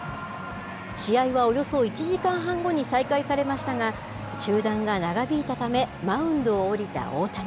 試合はおよそ１時間半後に再開されましたが、中断が長引いたため、マウンドを降りた大谷。